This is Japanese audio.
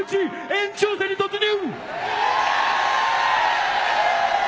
延長戦に突入！